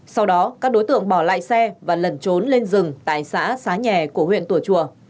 sau đó các đối tượng bỏ lại xe và lẩn trốn lên rừng tại xã xá nhà của huyện tùa chùa